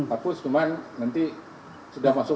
apus cuma nanti sudah masuk